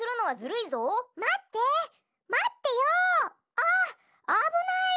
あっあぶない！